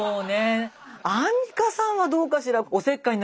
アンミカさんはどうかしら？